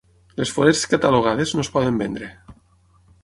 Les forests catalogades no es poden vendre.